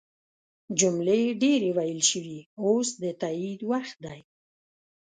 جملې ډیرې ویل شوي اوس د تایید وخت دی.